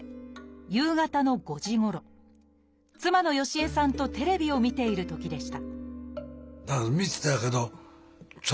夕方の５時ごろ妻のヨシ江さんとテレビを見ているときでした